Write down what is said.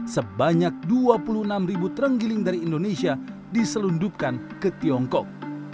sebanyak dua puluh enam ribu terenggiling dari indonesia diselundupkan ke tiongkok